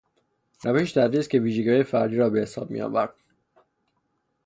روش تدریس که ویژگیهای فردی را به حساب میآورد